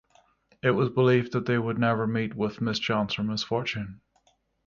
It was believed that they would never meet with mischance or misfortune.